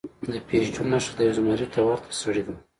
د پېژو نښه د یو زمري ته ورته سړي ده.